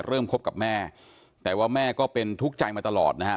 เริ่มคบกับแม่แต่ว่าแม่ก็เป็นททุกข์ใจมาตลอดนะครับ